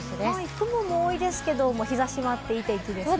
雲もありますが、日差しもあっていい天気ですね。